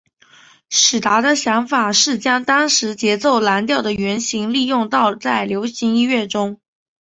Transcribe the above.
史达的想法是将当时节奏蓝调的原型利用到在流行音乐中。